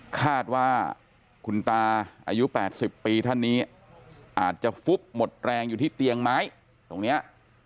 คาดว่าคุณตาอายุ๘๐ปีท่านนี้อาจจะฟุบหมดแรงอยู่ที่เตียงไม้ตรงนี้